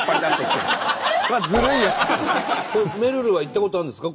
めるるは行ったことあるんですか？